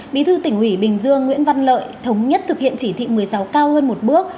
bí thư tỉnh ủy bình dương nguyễn văn lợi thống nhất thực hiện chỉ thị một mươi sáu cao hơn một bước